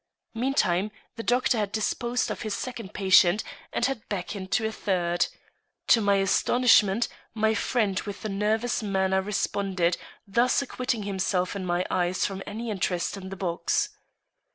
Meantime, the doctor had disposed of his second patient and had beckoned to a third. To my astonishment, my friend with the nervous manner responded, thus acquitting himself in my eyes from any interest in the box.